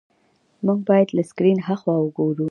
موږ باید له سکرین هاخوا وګورو.